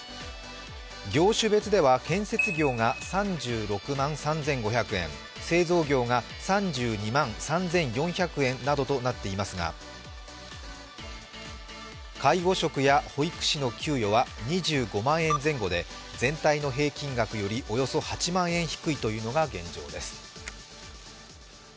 業種別では建設業が３６万３５００円製造業が３２万３４００円などとなっていますが、介護職や保育士の給与は２５万円前後で全体の平均額よりおよそ８万円低いというのが現状です。